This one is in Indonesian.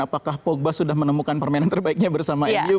apakah pogba sudah menemukan permainan terbaiknya bersama mu